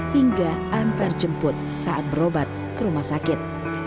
hingga antar jemput saat berobat ke rumah sakit